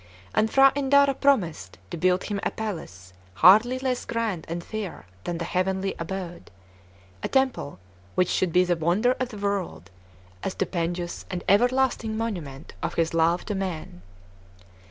And P'hra Indara promised to build him a palace hardly less grand and fair than the heavenly abode, a temple which should be the wonder of the world, a stupendous and everlasting monument of his love to men.